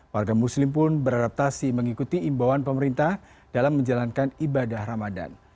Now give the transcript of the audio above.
warga muslim pun beradaptasi mengikuti imbauan pemerintah dalam menjalankan ibadah ramadan